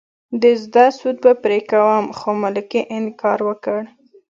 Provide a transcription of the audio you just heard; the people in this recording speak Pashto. د زده سود به پرې کوم خو ملکې انکار وکړ.